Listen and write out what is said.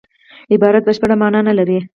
عبارت بشپړه مانا نه لري.